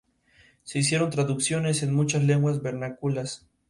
Se hicieron traducciones en muchas lenguas vernáculas.